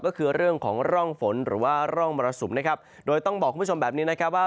ก็คือเรื่องของร่องฝนหรือว่าร่องมรสุมนะครับโดยต้องบอกคุณผู้ชมแบบนี้นะครับว่า